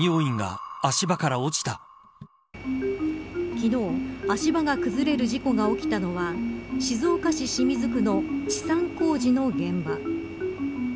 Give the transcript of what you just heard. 昨日足場が崩れ事故が起きたのは静岡県市清水区の治山工事の現場。